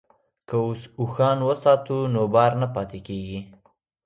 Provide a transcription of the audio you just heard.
که اوښان وساتو نو بار نه پاتې کیږي.